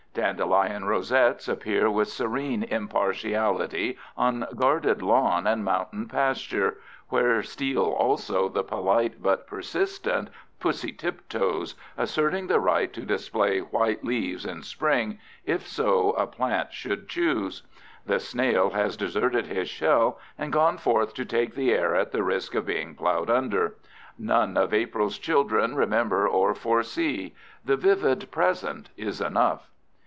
Dandelion rosettes appear with serene impartiality on guarded lawn and mountain pasture, where steal also the polite but persistent "pussy tiptoes," asserting the right to display white leaves in spring, if so a plant should choose. The snail has deserted his shell and gone forth to take the air at the risk of being plowed under. None of April's children remember or foresee. The vivid present is enough.